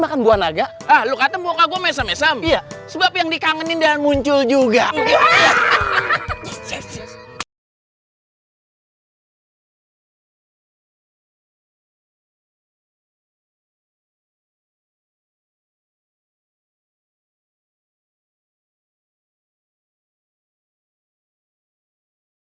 makan buah naga ah lu kata muka gue mesem mesem iya sebab yang dikangenin dan muncul juga hahaha